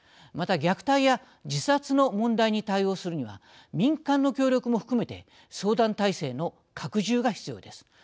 また虐待や自殺の問題に対応するには民間の協力も含めて相談体制の拡充が必要です。